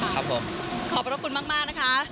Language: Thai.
ครับผมขอบพระคุณมากนะคะ